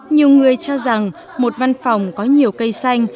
nhiều người cho rằng một văn phòng có nhiều cây xanh